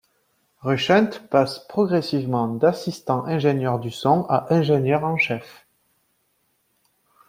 Rushent passe progressivement d'assistant ingénieur du son à ingénieur en chef.